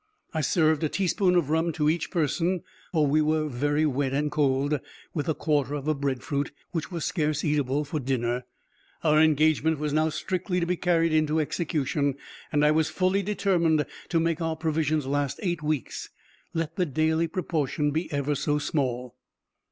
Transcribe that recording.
I served a teaspoonful of rum to each person (for we were very wet and cold), with a quarter of a breadfruit, which was scarce eatable, for dinner. Our engagement was now strictly to be carried into execution, and I was fully determined to make our provisions last eight weeks, let the daily proportion be ever so small.